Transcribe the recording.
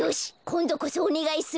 こんどこそおねがいするぞ。